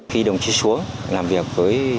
khi đồng chí xuống làm việc với